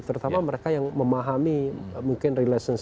terutama mereka yang memahami mungkin relations